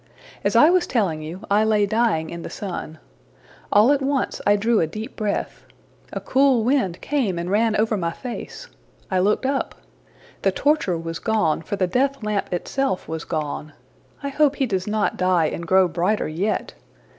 As I was telling you, I lay dying in the sun. All at once I drew a deep breath. A cool wind came and ran over my face. I looked up. The torture was gone, for the death lamp itself was gone. I hope he does not die and grow brighter yet.